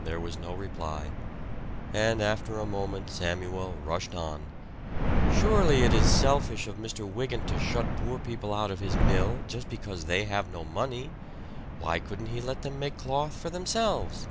There was no reply; and after a moment Samuel rushed on: "Surely it is selfish of Mr. Wygant to shut poor people out of his mill, just because they have no money. Why couldn't he let them make cloth for themselves?"